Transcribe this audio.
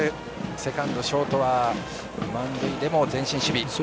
セカンド、ショートは満塁でも前進守備。